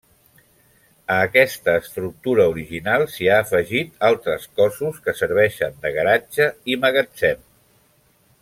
A aquesta estructura original s'hi ha afegit altres cossos que serveixen de garatge i magatzem.